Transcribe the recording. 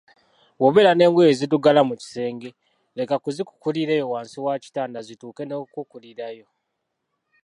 Bw‘obeera n‘engoye eziddugala mu kisenge, leka kuzikukulira eyo wansi wa kitanda zituuke n‘okukulirayo